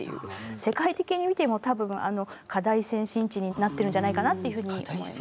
世界的に見ても多分課題先進地になってるんじゃないかなというふうに思います。